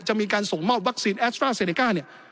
จะมีการส่งมอบวัคซีนแอสตราเซเนก้าเนี่ย